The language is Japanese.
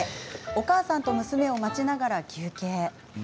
お母さんと娘を待ちながら休憩。